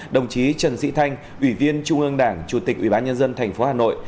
đồng chí trần sĩ thanh ủy viên trung ương đảng chủ tịch ủy bán nhân dân tp hà nội